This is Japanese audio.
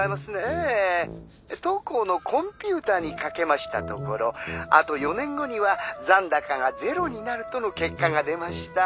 当行のコンピューターにかけましたところあと４年後には残高が０になるとの結果が出ました。